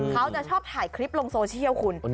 เขาจะชอบถ่ายคลิปลงโซเชียลคุณ